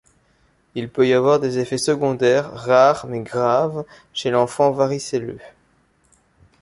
Il peut y avoir des effets secondaires rares mais graves chez l'enfant varicelleux.